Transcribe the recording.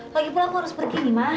lagipula aku harus pergi nih ma